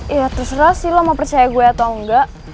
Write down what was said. ya terserah sih lo mau percaya gue atau enggak